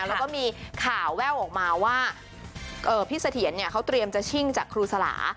แล้วก็มีข่าวแว่วออกมาว่าพี่เสถียรเนี่ยเขาเตรียมจะชิ่งจากครูสลา